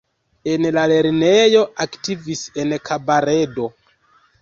En la lernejo aktivis en kabaredo.